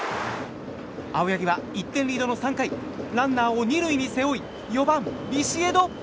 青柳は１点リードの３回ランナーを２塁に背負い４番、ビシエド。